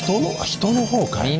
人のほうかい。